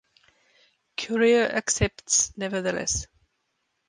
Courier accepts nevertheless.